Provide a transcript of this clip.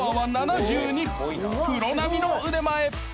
［プロ並みの腕前］